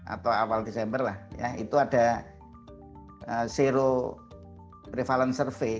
atau awal desember lah ya itu ada zero prevalence survei